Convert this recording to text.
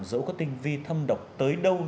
dẫu có tinh vi thâm độc tới đâu